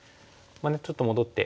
ちょっと戻って。